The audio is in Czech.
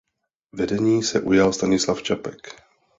Vedení se ujal Stanislav Čapek.